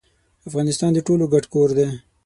افغانستان د ټولو ګډ کور دي.